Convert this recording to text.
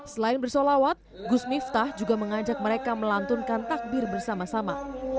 selain bersolawat gus miftah juga mengajak mereka melantunkan takbir bersama sama